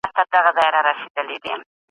هغه د خپلو هڅو پایله وګټله.